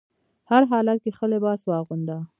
هر حالت کې ښه لباس واغونده.